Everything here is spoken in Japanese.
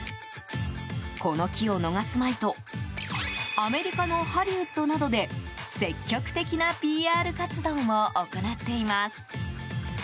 この機を逃すまいとアメリカのハリウッドなどで積極的なＰＲ活動も行っています。